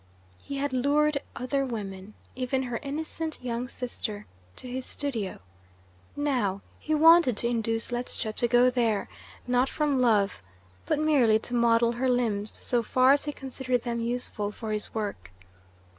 He had lured other women even her innocent young sister to his studio. Now he wanted to induce Ledscha to go there, not from love, but merely to model her limbs so far as he considered them useful for his work.